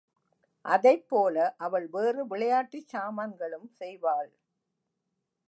அதைப் போல அவள் வேறு விளையாட்டுச் சாமான்களும் செய்வாள்.